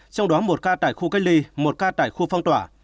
trong đó một ca tại khu cách ly một ca tại khu phong tỏa